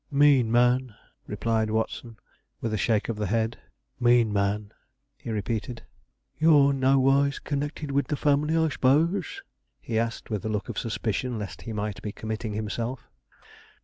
'Mean man,' replied Watson with a shake of the head; 'mean man,' he repeated. 'You're nowise connected with the fam'ly, I s'pose?' he asked with a look of suspicion lest he might be committing himself.